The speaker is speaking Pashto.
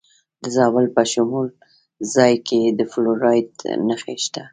د زابل په شمولزای کې د فلورایټ نښې شته.